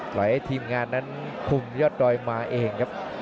ให้ทีมงานนั้นคุมยอดดอยมาเองครับ